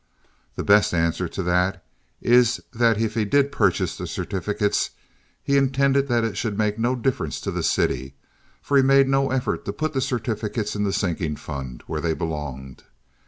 The best answer to that is that if he did purchase the certificates he intended that it should make no difference to the city, for he made no effort to put the certificates in the sinking fund, where they belonged.